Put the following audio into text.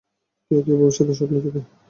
কেউ-কেউ ভবিষ্যতের স্বপ্ন দেখে।